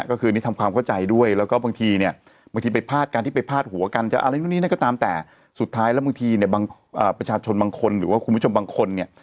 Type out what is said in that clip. ก็คือนี่ทำความเข้าใจด้วยแล้วก็บางทีเนี่ยบางทีไปพาดกันที่ไปพาดหัวกันจะอะไรนู่นนี่นั่นก็ตามแต่สุดท้ายแล้วบางทีเนี่ยบางประชาชนบางคนหรือว่าคุณผู้ชมบางคนเนี่ย